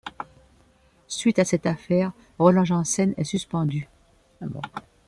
Suite à cette affaire, Roland Janssen est suspendu.